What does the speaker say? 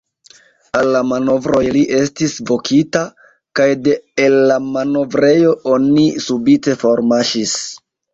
Al la manovroj li estis vokita, kaj de el la manovrejo oni subite formarŝis.